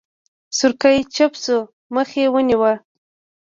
سورکی چپه شو مخ يې ونيو.